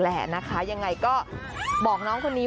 ยังไงก็บอกน้องคนนี้